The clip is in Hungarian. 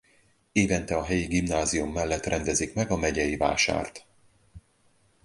Évente a helyi gimnázium mellett rendezik meg a megyei vásárt.